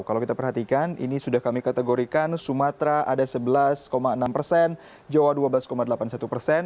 kalau kita perhatikan ini sudah kami kategorikan sumatera ada sebelas enam persen jawa dua belas delapan puluh satu persen